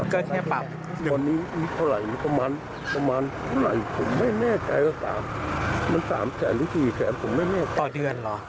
เขาจับเรื่อยเนี่ยเขาขอมาเรื่อยเนี่ย